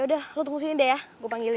yaudah lo tunggu sini deh ya gue panggilin